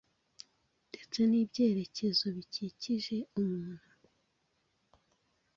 ndetse n’ibyerekezo bikikije umuntu